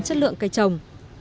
chất lượng cây trồng